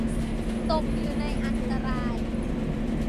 ตกอยู่ในอันตราย